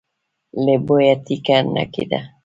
له بويه ټېکه نه کېده.